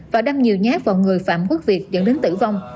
và đâm nhiều nhát vào người phạm quốc việt dẫn đến tử vong